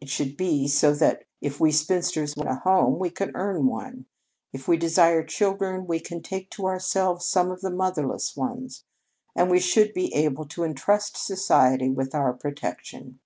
It should be so that if we spinsters want a home, we can earn one; if we desire children, we can take to ourselves some of the motherless ones; and we should be able to entrust society with our protection.